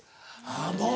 あぁもう。